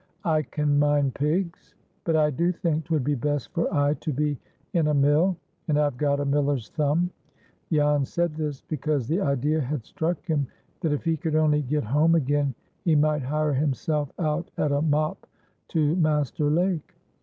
"I can mind pigs; but I do think 'twould be best for I to be in a mill, and I've got a miller's thumb." Jan said this because the idea had struck him that if he could only get home again he might hire himself out at a mop to Master Lake.